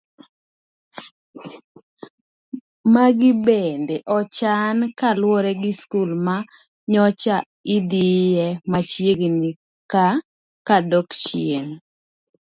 Magi bende ochan kaluwore gi skul ma nyocha idhiye machiegni kadok chien.